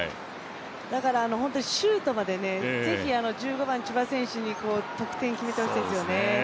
だから、本当にシュートまで、ぜひ千葉選手に得点を決めてほしいですよね。